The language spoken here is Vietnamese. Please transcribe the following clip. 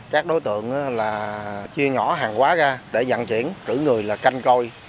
các đối tượng là chia nhỏ hàng hóa ra để dặn chuyển cử người là canh coi